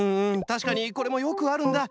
たしかにこれもよくあるんだ。